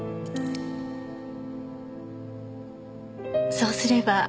そうすれば。